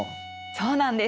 そうなんです。